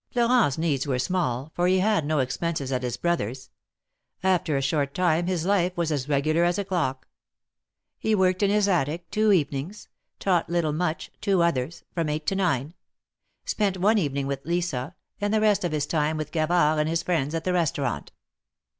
Florent's needs were small, for he had no expenses at his brother's. After a short time his life was as regular as a clock. He worked in his attic two evenings ; taught little Much two others, from eight to nine ; spent one evening with Lisa, and the rest of his time with Gavard and his friends at the restaurant.